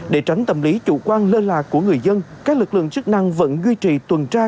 để tránh tâm lý chủ quan lơ là của người dân các lực lượng chức năng vẫn duy trì tuần tra